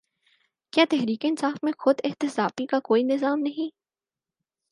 کیا تحریک انصاف میں خود احتسابی کا کوئی نظام ہے؟